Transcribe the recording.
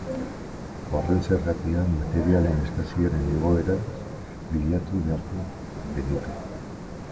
Horren zergatia materialen eskasiaren egoeraz bilatu beharko genuke.